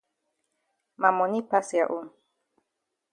Ma moni pass ya own.